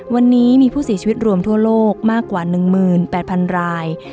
วันนี้มีผู้เสียชีวิตรวมทั่วโลกมากกว่า๑๘๐๐๐ราย